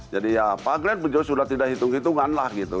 jadi ya pak glenn sudah tidak hitung hitungan lah gitu